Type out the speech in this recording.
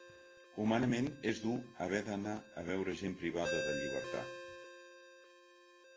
Humanament és dur haver d’anar a veure gent privada de llibertat.